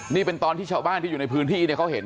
นี่เป็นตอนที่ชาวบ้านที่อยู่ในพื้นที่เนี่ยเขาเห็น